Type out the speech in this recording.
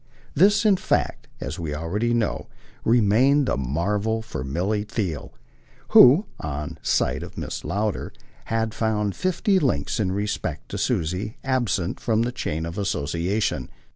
This in fact, as we already know, remained the marvel for Milly Theale, who, on sight of Mrs. Lowder, had found fifty links in respect to Susie absent from the chain of association.